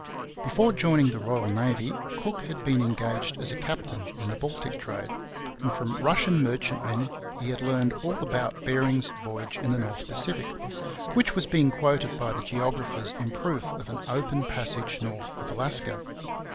Before joining the Royal Navy, Cook had been engaged as a captain in the Baltic trade; and from Russian merchantmen he had learned all about Bering's voyage in the North Pacific, which was being quoted by the geographers in proof of an open passage north of Alaska.